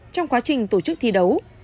trong quá trình tổ chức thi đấu